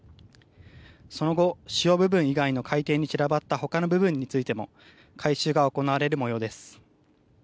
その後、主要部分以外の海底に散らばったほかの部分についても回収が行われる模様です。